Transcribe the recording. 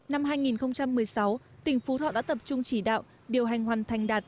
năm hai nghìn một mươi sáu tỉnh phú thọ đã tập trung chỉ đạo điều hành hoàn thành đạt